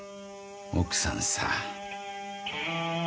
奥さんさ。